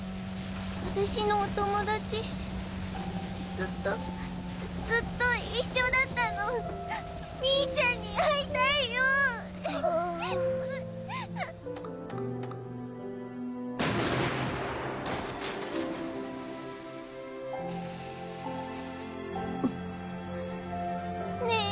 私のお友達ずっとずっと一緒だったのミーちゃんに会いたいよぉんねぇ